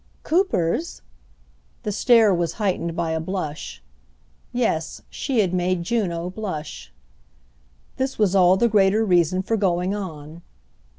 "Cooper's?"—the stare was heightened by a blush. Yes, she had made Juno blush. This was all the greater reason for going on.